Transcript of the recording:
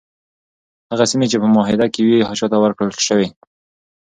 هغه سیمي چي په معاهده کي وي چاته ورکړل شوې؟